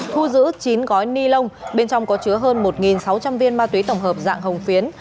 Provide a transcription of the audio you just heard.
thu giữ chín gói ni lông bên trong có chứa hơn một sáu trăm linh viên ma túy tổng hợp dạng hồng phiến